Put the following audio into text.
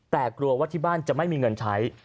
แต่กลัวว่าที่บ้านจะไม่มีเงินใช้